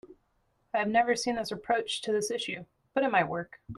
I have never seen this approach to this issue, but it might work.